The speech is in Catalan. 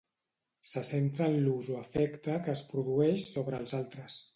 Se centra en l'ús o l'efecte que es produeix sobre els altres.